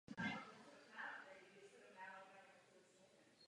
Ve studiu pokračuje na Fakultě tělesné výchovy a sportu Univerzity Karlovy.